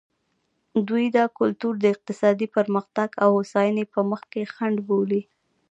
دوی دا کلتور د اقتصادي پرمختګ او هوساینې په مخ کې خنډ بولي.